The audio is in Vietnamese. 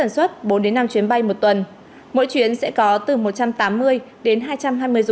sẽ có từ một trăm tám mươi đến hai trăm hai mươi du khách